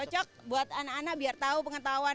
cocok buat anak anak biar tahu pengetahuan